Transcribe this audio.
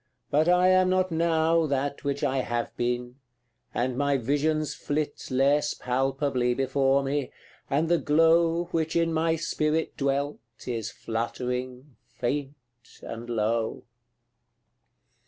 but I am not now That which I have been and my visions flit Less palpably before me and the glow Which in my spirit dwelt is fluttering, faint, and low.